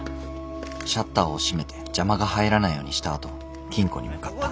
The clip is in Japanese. シャッターを閉めて邪魔が入らないようにしたあと金庫に向かった。